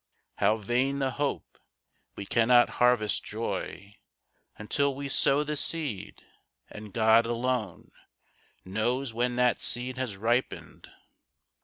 How vain the hope! We cannot harvest joy Until we sow the seed, and God alone Knows when that seed has ripened.